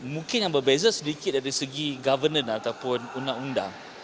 mungkin yang berbeza sedikit dari segi governance ataupun undang undang